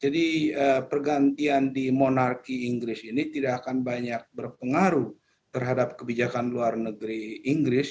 jadi pergantian di monarki inggris ini tidak akan banyak berpengaruh terhadap kebijakan luar negeri inggris